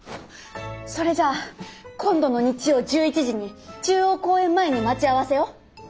それじゃあ今度の日曜１１時に中央公園前に待ち合わせよ。